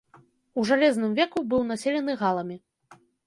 У жалезным веку быў населены галамі.